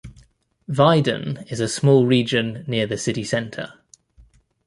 Wieden is a small region near the city centre.